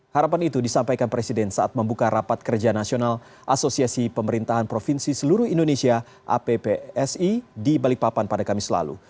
harapan itu disampaikan presiden saat membuka rapat kerja nasional asosiasi pemerintahan provinsi seluruh indonesia appsi di balikpapan pada kamis lalu